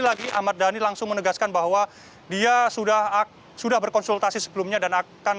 lagi ahmad dhani langsung menegaskan bahwa dia sudah sudah berkonsultasi sebelumnya dan akan